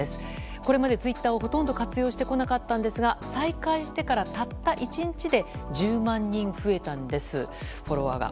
これまでツイッターをほとんど活用してこなかったんですが再開してからたった１日でフォロワー数が１０万人増えたんです。